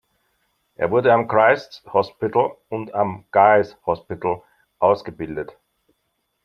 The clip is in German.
Er wurde am Christ's Hospital und am Guy’s Hospital ausgebildet.